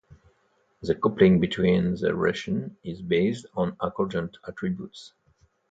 The coupling between the relations is based on accordant attributes.